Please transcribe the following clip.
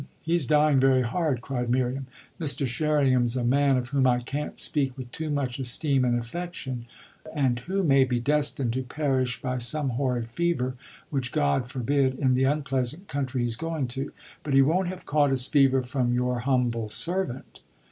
he's dying very hard!" cried Miriam. "Mr. Sherringham's a man of whom I can't speak with too much esteem and affection and who may be destined to perish by some horrid fever (which God forbid!) in the unpleasant country he's going to. But he won't have caught his fever from your humble servant."